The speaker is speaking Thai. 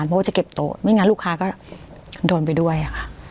เพราะว่าจะเก็บโต๊ะไม่งั้นลูกค้าก็โดนไปด้วยค่ะ